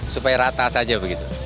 supaya rata saja begitu